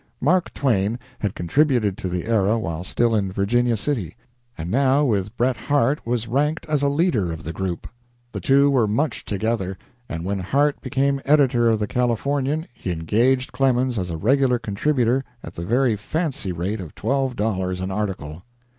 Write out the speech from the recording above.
Mark Twain had contributed to the "Era" while still in Virginia City, and now, with Bret Harte, was ranked as a leader of the group. The two were much together, and when Harte became editor of the "Californian" he engaged Clemens as a regular contributor at the very fancy rate of twelve dollars an article.